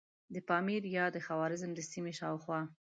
د پامیر یا د خوارزم د سیمې شاوخوا.